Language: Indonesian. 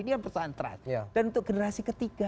ini yang persatuan trust dan untuk generasi ketiga